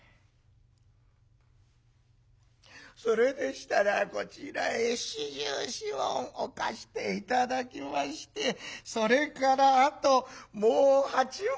「それでしたらこちらへ４４文置かして頂きましてそれからあともう８文。